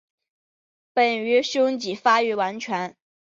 本鱼胸鳍发育完全。